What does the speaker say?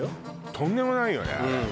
とんでもないよねあれ。